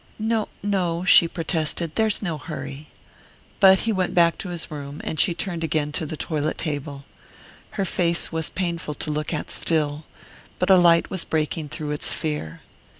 "No no," she protested, "there's no hurry." But he went back to his room, and she turned again to the toilet table. Her face was painful to look at still but a light was breaking through its fear.